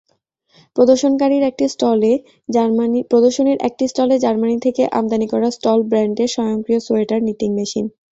প্রদর্শনীর একটি স্টলে জার্মানি থেকে আমদানি করা স্টল ব্র্যান্ডের স্বয়ংক্রিয় সোয়েটার নিটিং মেশিন।